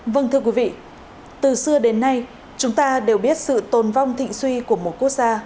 vâng thưa quý vị từ xưa đến nay chúng ta đều biết sự tồn vong thịnh suy của một quốc gia